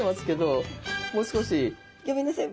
ギョめんなさい。